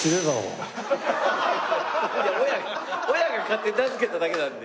いや親親が勝手に名付けただけなんで。